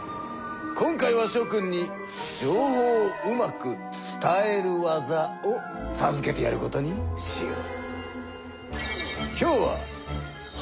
今回はしょ君に情報をうまく伝える技をさずけてやることにしよう。